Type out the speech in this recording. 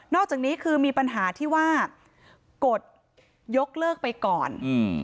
อกจากนี้คือมีปัญหาที่ว่ากฎยกเลิกไปก่อน